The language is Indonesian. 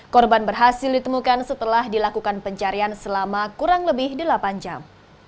korban berhasil ditemukan setelah dilakukan pencarian selama kurang lebih delapan jam